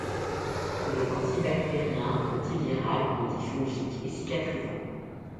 Il est antibactérien, antiviral, antifongique et cicatrisant.